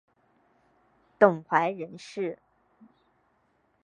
董槐人士。